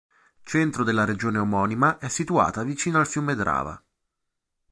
Centro della regione omonima, è situata vicino al fiume Drava.